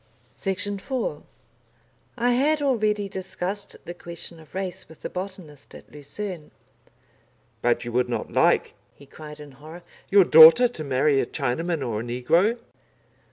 Section 4 I had already discussed the question of race with the botanist at Lucerne. "But you would not like," he cried in horror, "your daughter to marry a Chinaman or a negro?"